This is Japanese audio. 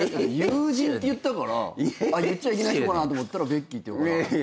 友人って言ったから言っちゃいけない人かなと思ったらベッキーって言うから。